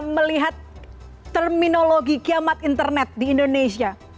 melihat terminologi kiamat internet di indonesia